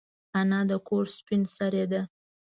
انا د کور سپین سرې ده